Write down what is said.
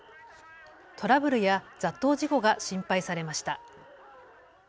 トラブルや雑踏事故が心配されました。